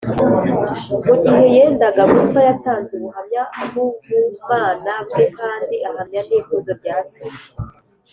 mu gihe yendaga gupfa, yatanze ubuhamya bw’ubumana bwe kandi ahamya n’ikuzo rya se